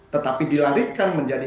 tetapi dilarikan menjadi